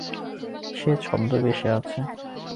সে ছদ্মবেশে আছে।